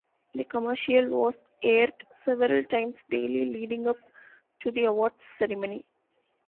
The commercial was aired several times daily leading up to the awards ceremony.